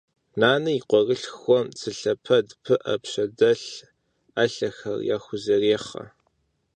Нанэ и къуэрылъхухэм цы лъэпэд, пыӏэ, пщэдэлъ, ӏэлъэхэр яхузэрехъэ.